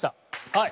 はい。